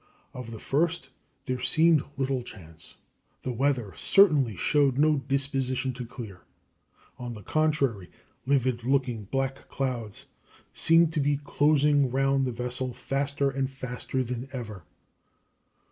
Of the first there seemed little chance. The weather certainly showed no disposition to clear on the contrary, livid looking black clouds seemed to be closing round the vessel faster and faster than ever.